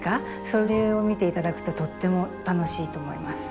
それを見て頂くととっても楽しいと思います。